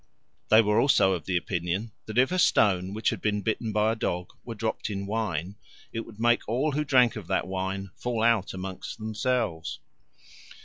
They were also of opinion that if a stone which had been bitten by a dog were dropped in wine, it would make all who drank of that wine to fall out among themselves.